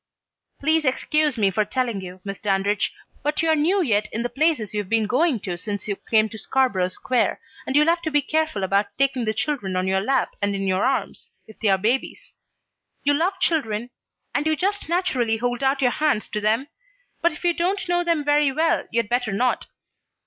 "Please excuse me for telling you, Miss Dandridge, but you're new yet in the places you've been going to since you came to Scarborough Square, and you'll have to be careful about taking the children on your lap and in your arms, if they're babies. You love children, and you just naturally hold out your hands to them, but if you don't know them very well, you'd better not.